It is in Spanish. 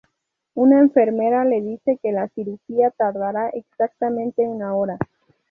Una enfermera le dice que la cirugía tardará exactamente una hora.